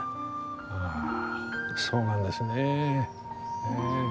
あそうなんですね。